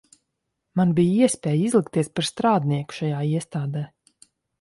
Man bija iespēja izlikties par strādnieku šajā iestādē.